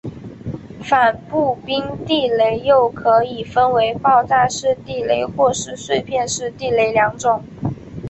反步兵地雷又可以分为爆炸式地雷或是碎片式地雷二种。